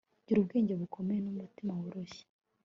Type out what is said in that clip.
gira ubwenge bukomeye n'umutima woroshye